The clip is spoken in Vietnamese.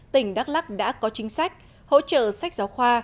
tỉnh đắk lắc đã có chính sách hỗ trợ sách giáo khoa